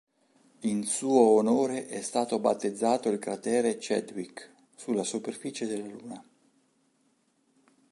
In suo onore è stato battezzato il cratere Chadwick, sulla superficie della Luna.